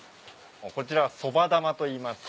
こちらはそば玉といいます。